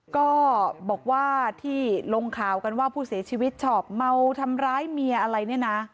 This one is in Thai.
ก็บอกว่าที่ลงข่าวกันว่าผู้เสียชีวิตชอบเมาทำร้ายเมียอะไรเนี่ยนะ